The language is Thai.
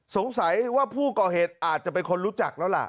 สงสัยว่าผู้ก่อเหตุอาจจะเป็นคนรู้จักแล้วล่ะ